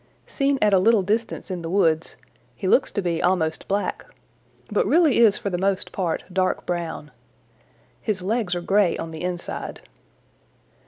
Seen at a little distance in the woods, he looks to be almost black, but really is for the most part dark brown. His legs are gray on the inside.